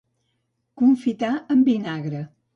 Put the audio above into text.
Confitar amb vinagre.